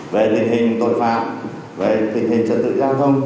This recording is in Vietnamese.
về tình hình tội phạm về tình hình trật tự giao thông